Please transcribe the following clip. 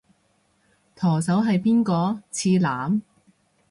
舵手係邊個？次男？